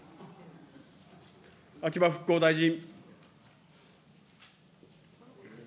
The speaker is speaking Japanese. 秋葉復興大臣。